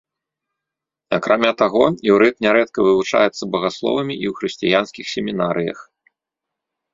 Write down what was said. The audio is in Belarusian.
Акрамя таго, іўрыт нярэдка вывучаецца багасловамі і ў хрысціянскіх семінарыях.